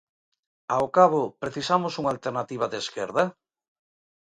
Ao cabo, precisamos unha alternativa de esquerda?